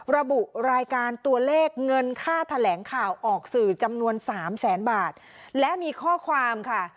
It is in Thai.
ระบุรายการตัวเลขเงินค่าแถลงข่าวออกสื่อจำนวนสามแสนบาทและมีข้อความค่ะ